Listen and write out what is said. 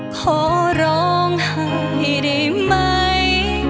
ขอร้องให้ได้ไหม